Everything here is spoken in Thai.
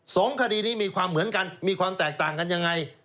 สองคดีนี้มีความเหมือนกันมีความแตกต่างกันยังไง